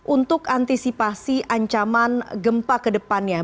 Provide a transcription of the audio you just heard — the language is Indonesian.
untuk antisipasi ancaman gempa kedepannya